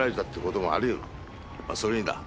まあそれにだ